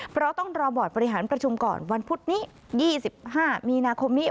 เพราะต้องรอบอร์ดบริหารประชุมก่อนวันพุธนี้๒๕มีนาคมนี้